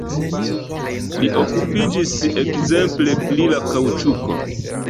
Li okupiĝis ekzemple pri la kaŭĉuko.